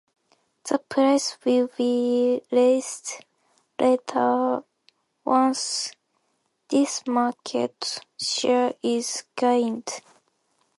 The price will be raised later once this market share is gained.